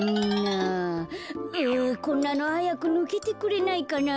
あこんなのはやくぬけてくれないかな。